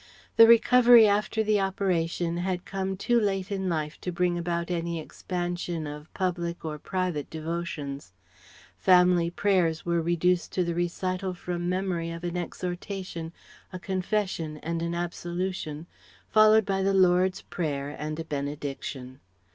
The recovery after the operation had come too late in life to bring about any expansion of public or private devotions. Family prayers were reduced to the recital from memory of an exhortation, a confession, and an absolution, followed by the Lord's Prayer and a benediction.